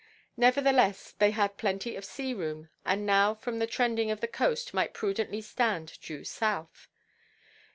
Nevertheless, they had plenty of sea–room, and now from the trending of the coast might prudently stand due south.